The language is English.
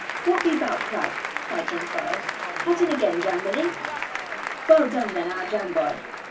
'Whutt be 'bout, lad?' cried John Fry; 'hutt un again, Jan, wull 'e? Well done then, our Jan boy.'